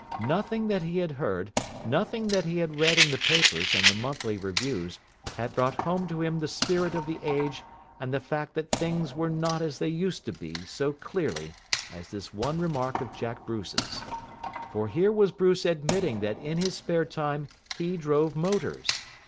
Nothing that he had heard, nothing that he had read in the papers and the monthly reviews had brought home to him the spirit of the age and the fact that Things were not as they used to be so clearly as this one remark of Jack Bruce's. For here was Bruce admitting that in his spare time he drove motors.